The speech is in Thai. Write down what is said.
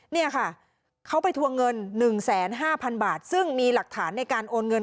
เนี่ยค่ะเขาไปทวงเงิน๑๕๐๐๐บาทซึ่งมีหลักฐานในการโอนเงิน